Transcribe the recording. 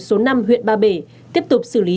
số năm huyện ba bể tiếp tục xử lý